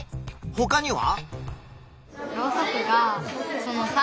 ほかには？